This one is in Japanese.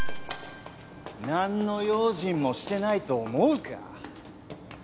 なんの用心もしてないと思うか？